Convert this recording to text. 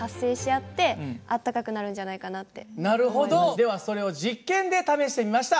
ではそれを実験で試してみました。